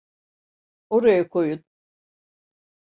Oraya koyun.